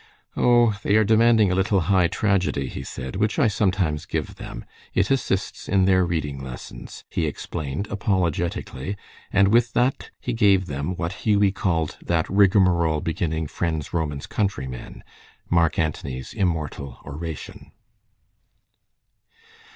"Oh, they are demanding a little high tragedy," he said, "which I sometimes give them. It assists in their reading lessons," he explained, apologetically, and with that he gave them what Hughie called, "that rigmarole beginning, 'Friends, Romans, countrymen,'" Mark Antony's immortal oration.